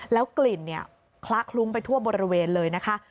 แล้วกลิ่นคละคลุ้งไปทั่วบริเวณเลยนะคะ